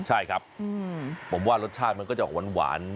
ใช่ครับผมว่ารสชาติมันก็จะออกหวาน